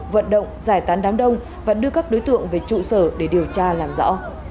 vận động giải tán đám đông và đưa các đối tượng về trụ sở để điều tra làm rõ